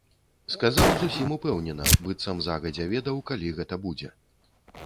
Сказаў зусім упэўнена, быццам загадзя ведаў, калі гэта будзе.